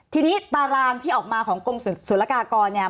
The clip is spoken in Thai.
ทีนี้ตารางที่ออกมาของกรมศุลกากรเนี่ย